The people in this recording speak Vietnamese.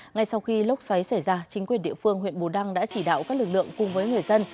ngay sau khi lốc xoáy xảy ra chính quyền địa phương huyện bù đăng đã chỉ đạo các lực lượng cùng với người dân